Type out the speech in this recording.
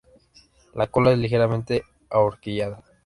La cola es ligeramente ahorquillada.